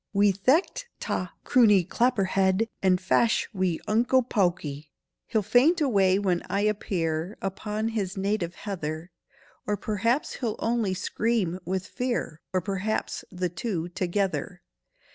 Wi' thecht ta' croonie clapperhead And fash' wi' unco pawkie!' He'll faint away when I appear, Upon his native heather; Or p'r'aps he'll only scream with fear, Or p'r'aps the two together."